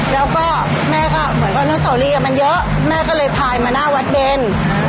แล้วแม่อาจไปถ่ายมาที่ผ่านกับวัดเบน